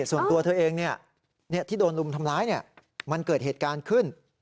ส่วนตัวเธอเองที่โดนลุมทำร้ายมันเกิดเหตุการณ์ขึ้น